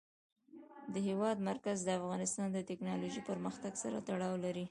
د هېواد مرکز د افغانستان د تکنالوژۍ پرمختګ سره تړاو لري.